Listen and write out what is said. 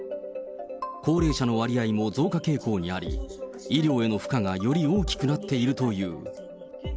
高齢者の割合も増加傾向にあり、医療への負荷がより大きくなっているという。